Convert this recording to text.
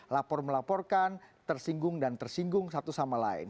lapor melaporkan tersinggung dan tersinggung satu sama lain